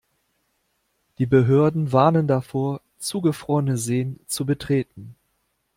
Die Behörden warnen davor, zugefrorene Seen zu betreten.